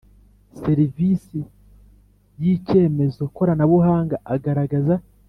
serivisi y icyemezo koranabuhanga agaragaza